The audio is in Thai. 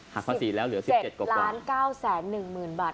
หักภาษีแล้วเหลือสิบเจ็ดกว่าสิบเจ็ดล้านเก้าแสนหนึ่งหมื่นบาท